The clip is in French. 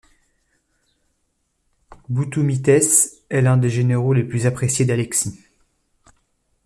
Boutoumitès est l'un des généraux les plus appréciés d'Alexis.